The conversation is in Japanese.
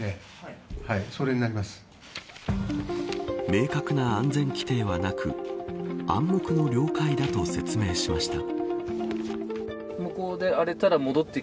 明確な安全規程はなく暗黙の了解だと説明しました。